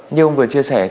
như ông vừa chia sẻ